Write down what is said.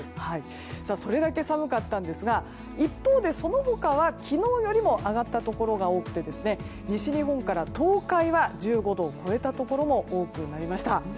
それだけ寒かったんですが一方で、その他は昨日よりも上がったところが多くて西日本から東海は１５度を超えたところも多くなりました。